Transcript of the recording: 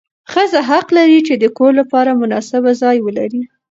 ښځه حق لري چې د کور لپاره مناسب ځای ولري.